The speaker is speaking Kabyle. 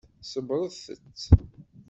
Ṣebbṛet-t.